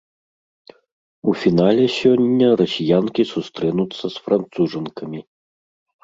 У фінале сёння расіянкі сустрэнуцца з францужанкамі.